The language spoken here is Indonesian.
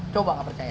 coba gak percaya